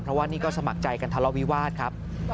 เพราะว่านี่ก็สมัครใจกันทะเลาวิวาสครับ